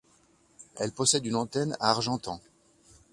Elle possède une antenne à Argentan.